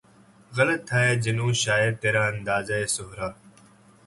غلط تھا اے جنوں شاید ترا اندازۂ صحرا